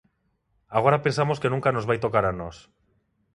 Agora pensamos que nunca nos vai tocar a nós.